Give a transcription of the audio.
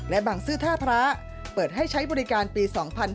และบางซื่อท่าพระเปิดให้ใช้บริการปี๒๕๕๙